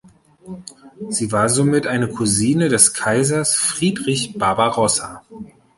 Sie war somit eine Cousine des Kaisers Friedrich Barbarossa.